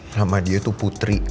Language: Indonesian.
nama dia tuh putri